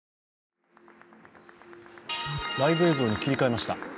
ライブ映像に切り替えました。